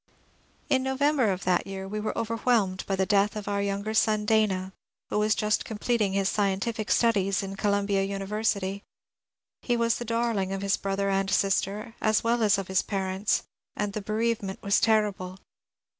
In November of that year we were overwhelmed by the death of our younger son, Dana, who was just completing his scientific studies in Columbia University. He was the darling of his brother and sister, as well as of his parents, and the bereavement was terrible.